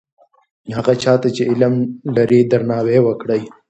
هغه چا ته چې علم لري درناوی وکړئ.